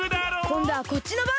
こんどはこっちのばんだ！